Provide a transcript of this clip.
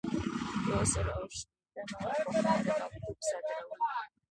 یو سل او شپیتمه پوښتنه د مکتوب صادرول دي.